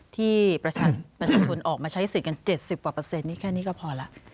ที่ประชาชนออกมาใช้สิทธิ์กัน๗๐กว่าเปอร์เซ็นนี่แค่นี้ก็พอแล้ว